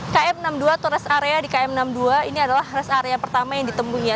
km enam puluh dua atau rest area di km enam puluh dua ini adalah rest area pertama yang ditemui ya